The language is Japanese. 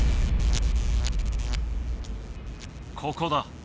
ここだ。